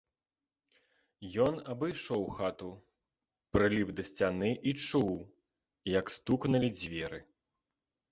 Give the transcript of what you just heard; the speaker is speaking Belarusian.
Ён абышоў хату, прыліп да сцяны і чуў, як стукнулі дзверы.